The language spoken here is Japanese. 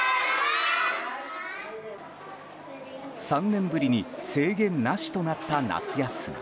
３年ぶりに制限なしとなった夏休み。